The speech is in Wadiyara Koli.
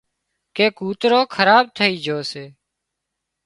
ڪي ڪوتروخراب ٿئي جھو سي